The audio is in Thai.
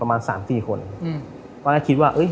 ประมาณสามสี่คนอืมตอนแรกคิดว่าเอ้ย